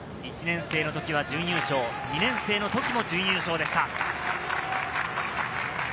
１年生の時は準優勝、２年生の時も準優勝でした。